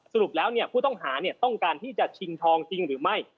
สรุปแล้วผู้ต้องหาต้องการที่จะชิงทองจริงหรือไม่